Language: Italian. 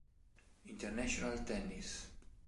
International Tennis